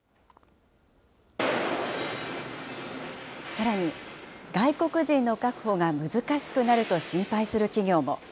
さらに、外国人の確保が難しくなると心配する企業も。